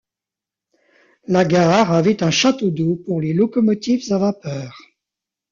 La gare avait un château d'eau pour les locomotives à vapeur.